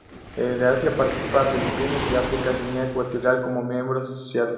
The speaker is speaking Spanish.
De Asia participó Filipinas y de África Guinea Ecuatorial como miembros asociados.